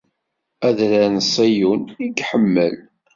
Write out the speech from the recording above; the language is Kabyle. Adrar n Ṣiyun i iḥemmel.